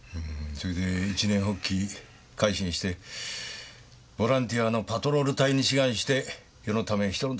それで一念発起改心してボランティアのパトロール隊に志願して世のため人のため。